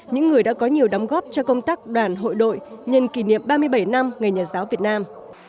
những người đã có nhiều đóng góp cho công tác đoàn hội đội nhân kỷ niệm ba mươi bảy năm ngày nhà giáo việt nam